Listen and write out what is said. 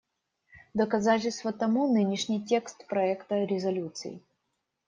Доказательство тому — нынешний текст проекта резолюции.